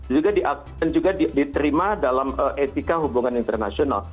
dan juga diterima dalam etika hubungan internasional